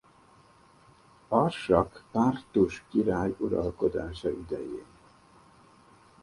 Arsak pártus király uralkodása idején.